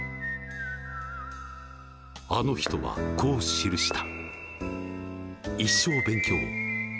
あの人はこう記した。